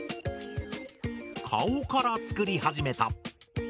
顔から作り始めた。